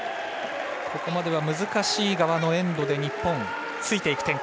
ここまでは難しい側のエンドで日本、ついていく展開。